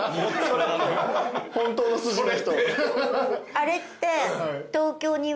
あれって。